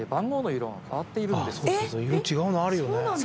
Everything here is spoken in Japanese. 色違うのあるよね。